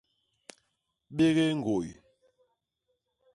Bégé ñgôy.